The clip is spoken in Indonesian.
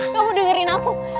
kamu dengerin aku